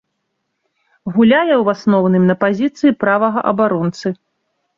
Гуляе, у асноўным, на пазіцыі правага абаронцы.